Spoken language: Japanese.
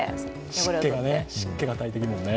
湿気が大敵だもんね。